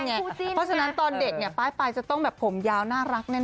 เพราะฉะนั้นตอนเด็กป้ายปลายจะต้องแบบผมยาวน่ารักแน่